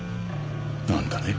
なんだね？